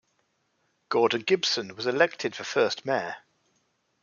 Gordon Gibson was elected the first mayor.